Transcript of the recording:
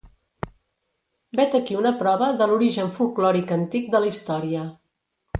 Vet aquí una prova de l'origen folklòric antic de la història.